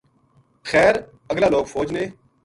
خیر ا گلا لوک فوج نے